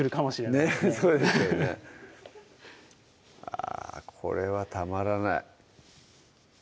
あこれはたまらない